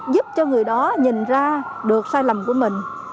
giúp cho người đó nhìn ra được sai lầm của mình